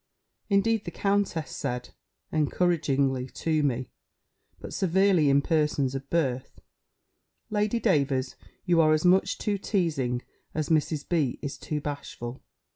Indeed the countess said, encouragingly to me, but severely in persons of birth, "Lady Davers, you are as much too teazing, as Mrs. B. is too bashful.